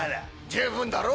十分だろ？